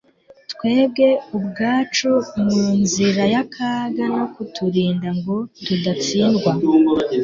twebwe ubwacu mu nzira y’akaga no kuturinda ngo tudatsindwa.